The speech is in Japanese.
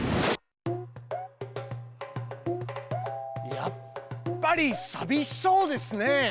やっぱりさびしそうですね。